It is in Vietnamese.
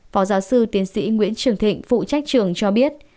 phó giáo sư tiến sĩ nguyễn trường thịnh phụ trách trường cho biết